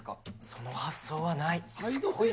その発想はない。